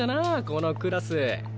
このクラス。